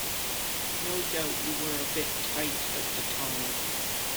No doubt you were a bit tight at the time.